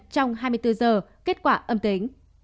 trong hai mươi bốn h kết quả âm tính